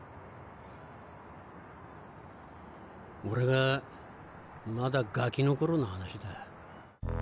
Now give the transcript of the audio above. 俺がまだガキの頃の話だ。